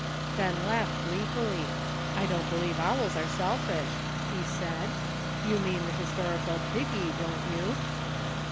Ben laughed gleefully. "I don't believe owls are selfish," he said; "you mean the his torical piggy, don't you?"